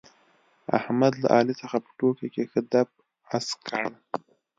احمد له علي څخه په ټوکو کې ښه دپ اسک کړ.